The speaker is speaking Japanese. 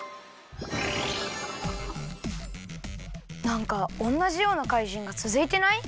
なんかおんなじようなかいじんがつづいてない？